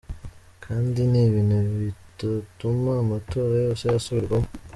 Kandi n'ibintu bitotuma amatora yose asubirwamwo.